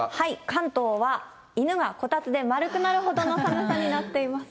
関東は犬がこたつで丸くなるほどの寒さになっています。